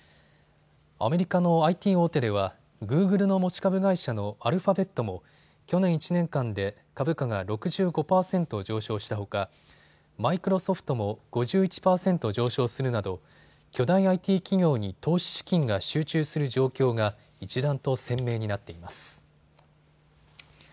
アメリカのＩＴ大手ではグーグルの持ち株会社のアルファベットも去年１年間で株価が６５％上昇したほかマイクロソフトも５１％上昇するなど巨大ＩＴ企業に投資資金が集中する状況が一段と鮮明になっています。